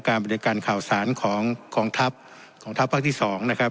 การบริเวณการข่าวสารของของทัพของทัพภาคที่สองนะครับ